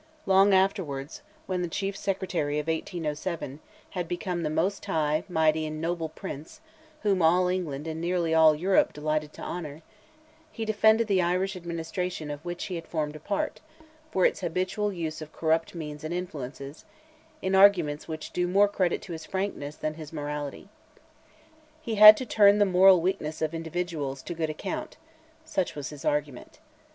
Long afterwards, when the Chief Secretary of 1807 had become "the most high, mighty and noble prince," whom all England and nearly all Europe delighted to honour, he defended the Irish administration of which he had formed a part, for its habitual use of corrupt means and influence, in arguments which do more credit to his frankness than his morality. He had "to turn the moral weakness of individuals to good account," such was his argument.